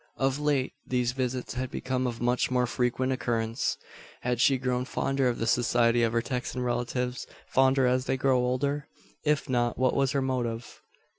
Of late these visits had become of much more frequent occurrence. Had she grown fonder of the society of her Texan relatives fonder as they grew older? If not, what was her motive?